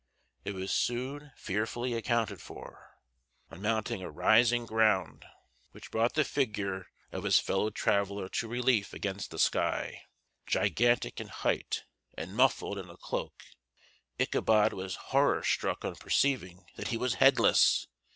It was soon fearfully accounted for. On mounting a rising ground, which brought the figure of his fellow traveller in relief against the sky, gigantic in height and muffled in a cloak, Ichabod was horror struck on perceiving that he was headless!